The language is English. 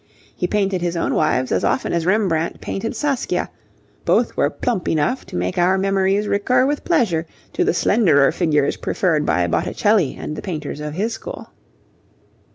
He painted his own wives as often as Rembrandt painted Saskia; both were plump enough to make our memories recur with pleasure to the slenderer figures preferred by Botticelli and the painters of his school.